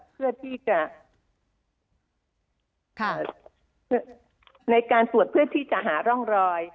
เพื่อที่จะในการตรวจเพื่อที่จะหาร่องรอย